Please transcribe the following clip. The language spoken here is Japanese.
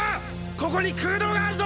ここに空洞があるぞ！！